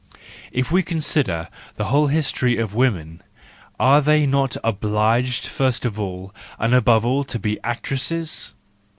If we consider the whole history of 320 THE JOYFUL WISDOM, V women, are they not obliged first of all, and above all to be actresses?